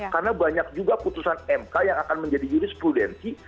karena banyak juga putusan mk yang akan menjadi juris prudensi